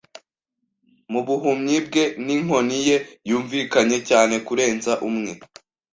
mubuhumyi bwe ninkoni ye yumvikanye cyane kurenza umwe.